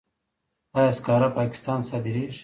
آیا سکاره پاکستان ته صادریږي؟